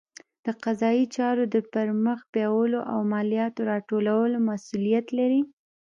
د قضایي چارو د پرمخ بیولو او مالیاتو راټولولو مسوولیت لري.